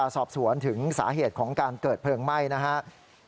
เจ้าหน้าที่ตอนเช้าเนี่ยนะฮะก็ยังใช้รถดับเพลิงเนี่ยฉีดน้ำเลี้ยงไว้